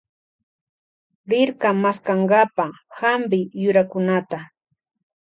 Rirka maskankapa hampi yurakunata.